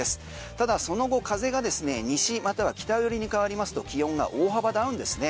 ただその後、風がですね西または北寄りに変わりますと気温が大幅ダウンですね。